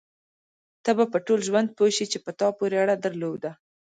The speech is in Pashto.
ته به په ټول ژوند پوه شې چې په تا پورې اړه درلوده.